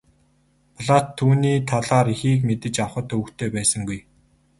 Платт түүний талаар ихийг мэдэж авахад төвөгтэй байсангүй.